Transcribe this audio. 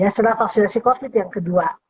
setelah vaksinasi covid yang kedua